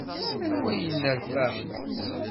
Anwa i yenneṛfaɛen?